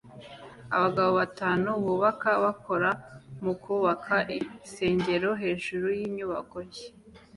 Abagabo batanu bubaka bakora mukubaka igisenge hejuru yinyubako nshya